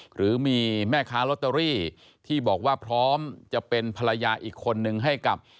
หรือมีแม่ค้าลอตเตอรี่ที่บอกว่าพร้อมจะเป็นภรรยาอีกคนนึงให้กับ